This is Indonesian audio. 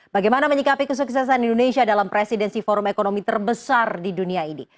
bagaimana menyikapi kesuksesan indonesia dalam presidensi forum ekonomi terbesar di dunia ini